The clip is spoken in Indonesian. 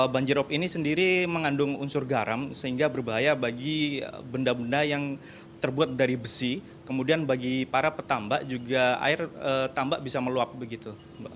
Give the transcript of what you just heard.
banjirop ini sendiri mengandung unsur garam sehingga berbahaya bagi benda benda yang terbuat dari besi kemudian bagi para petambak juga air tambak bisa meluap begitu